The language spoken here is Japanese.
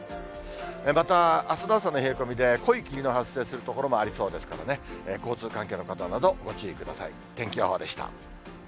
またあすの朝の冷え込みで濃い霧の発生する所もありそうですからね、交通関係の方など、ご注意ください。